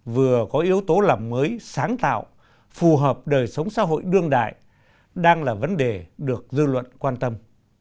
vừa có yếu tố làm mới sáng tạo phù hợp đời sống xã hội đương đại đang là vấn đề được dư luận quan tâm